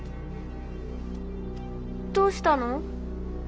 どうしたの？